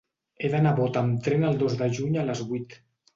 He d'anar a Bot amb tren el dos de juny a les vuit.